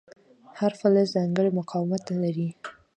هر فلز ځانګړی مقاومت لري.